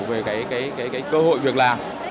về cái cơ hội việc làm